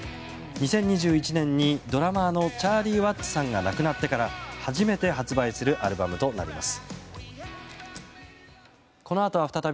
２０２１年にドラマーのチャーリー・ワッツさんが亡くなってから、初めて発売するアルバムとなります。